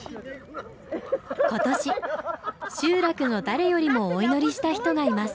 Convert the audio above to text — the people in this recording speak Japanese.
今年集落の誰よりもお祈りした人がいます。